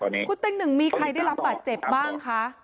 ตอนนี้คุณเต้นหนึ่งมีใครได้รับบัตรเจ็บบ้างคะ